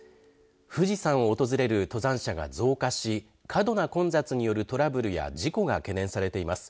富士山を訪れる登山者が増加し過度な混雑によるトラブルや事故が懸念されています。